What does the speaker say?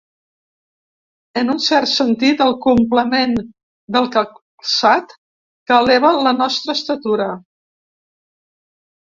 En un cert sentit, el complement del calçat que eleva la nostra estatura.